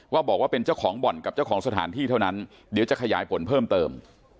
บอกว่าเป็นเจ้าของบ่อนกับเจ้าของสถานที่เท่านั้นเดี๋ยวจะขยายผลเพิ่มเติม